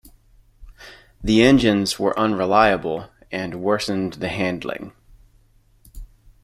The engines were unreliable and worsened the handling.